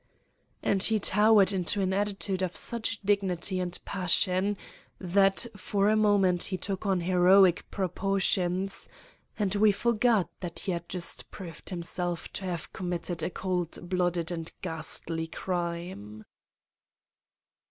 And he towered into an attitude of such dignity and passion, that for a moment he took on heroic proportions and we forgot that he had just proved himself to have committed a cold blooded and ghastly crime.